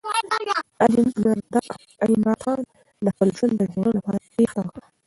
علیمردان خان د خپل ژوند د ژغورلو لپاره تېښته وکړه.